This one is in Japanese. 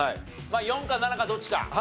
４か７かどっちか。